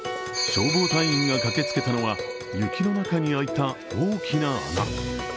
消防隊員が駆けつけたのは雪の中に開いた大きな穴。